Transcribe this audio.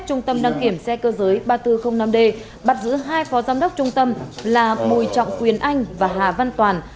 trung tâm đăng kiểm xe cơ giới ba nghìn bốn trăm linh năm d bắt giữ hai phó giám đốc trung tâm là bùi trọng quyền anh và hà văn toàn